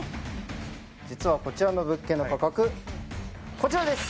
実はこちらの物件の価格こちらです！